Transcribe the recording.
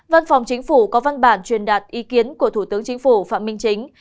văn phòng chính phủ có văn bản truyền đạt ý kiến của thủ tướng chính phủ phạm minh chính